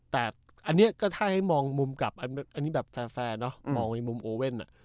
แต่อันนี้ก็ถ้าให้มองมุมกลับอันนี้แบบแฟร์เนาะมองในมุมโอเว่น